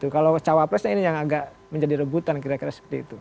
kalau cawapresnya ini yang agak menjadi rebutan kira kira seperti itu